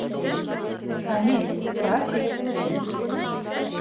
Хәмит, график!